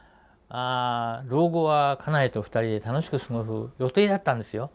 老後は家内と２人で楽しく過ごす予定だったんですよ。